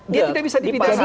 dia tidak bisa dipidana